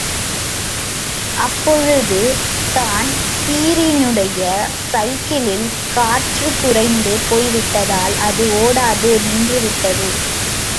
அப்பொழுது தான்பிரீனுடைய சைக்கிளில் காற்றுக் குறைந்து போய்விட்டதால் அது ஓடாது நின்று விட்டது.